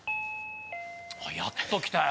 やっと来たよ！